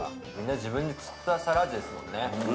自分で釣った猿アジですもんね。